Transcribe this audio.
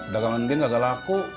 dagangan ndin gak laku